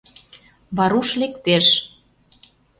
Варуш лектеш.